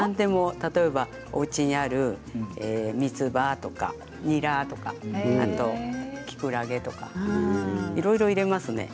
例えばおうちにあるみつばとか、にらとかきくらげとかいろいろ入れますね。